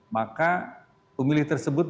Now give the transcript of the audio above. maka pemilih tersebut